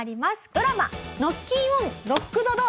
ドラマ『ノッキンオン・ロックドドア』